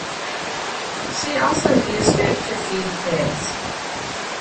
She also used it to feed pigs.